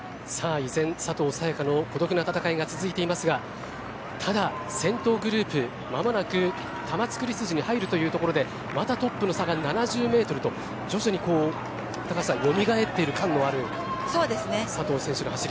依然、佐藤早也伽の孤独な闘いが続いていますがただ、先頭グループ間もなく玉造筋に入るというところでまた、トップの差が７０ｍと徐々に高橋さんよみがえっている感のある佐藤選手の走り。